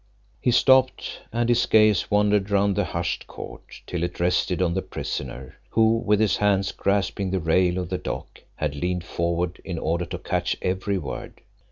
He stopped, and his gaze wandered round the hushed court till it rested on the prisoner, who with his hands grasping the rail of the dock had leaned forward in order to catch every word.